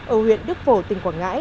ở huyện đức phổ tỉnh quảng ngãi